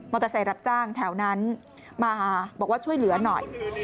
เตอร์ไซค์รับจ้างแถวนั้นมาบอกว่าช่วยเหลือหน่อย